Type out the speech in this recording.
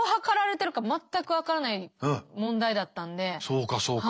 そうかそうか。